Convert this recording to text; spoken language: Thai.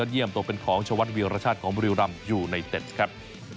เยี่ยมตกเป็นของชวัดเวียวราชาติของบริวรำอยู่ในเต็ดครับ